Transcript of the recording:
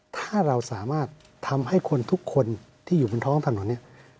ถ้าเราสามารถทำให้คนทุกคนที่อยู่บนท้องถนนเนี่ย